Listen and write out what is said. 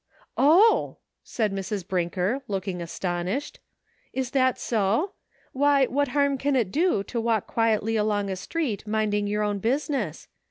"Oh!" said Mrs. Brinker, looking astonished, "is that so? Why, what liarm can it do to walk quietly along a street minding your own business